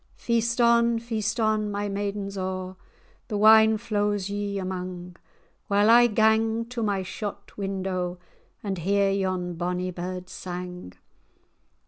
"Feast on, feast on, my maidens a', The wine flows you amang, While I gang to my shot window And hear yon bonnie bird's sang.